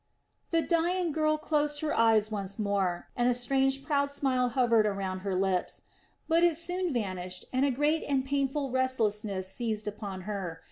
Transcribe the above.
The dying girl closed her eyes once more, and a strange proud smile hovered around her lips. But it soon vanished and a great and painful restlessness seized upon her.